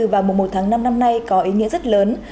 và mùa một tháng năm năm nay có ý nghĩa rất lớn